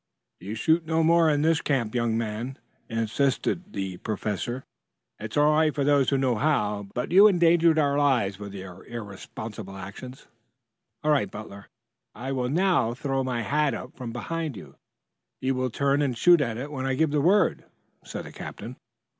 "You shoot no more in this camp, young man," insisted the professor. "It's all right for those who know how, but you endanger our lives with your irresponsible actions." "All right, Butler, I will now throw my hat up from behind you. You will turn and shoot at it when I give the word," said the captain.